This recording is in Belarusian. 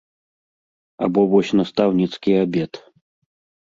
Або вось настаўніцкі абед.